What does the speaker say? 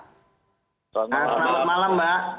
selamat malam mbak